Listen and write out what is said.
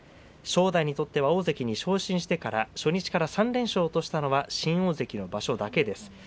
正代にとっては大関に昇進してから初日から３連勝としたのは新大関の場所だけです。